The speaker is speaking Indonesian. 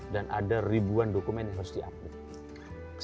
dan ada ribuan dokumen yang harus diupdate